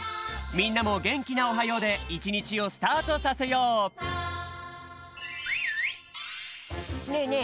みんなもげんきな「おはよう」でいちにちをスタートさせようねえね